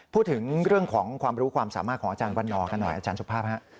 พูดถึงเรื่องของความรู้ความสามารถของอาจารย์วันนอร์กันหน่อยอาจารย์สุภาพฮะ